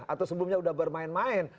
atau sebelumnya udah bermain main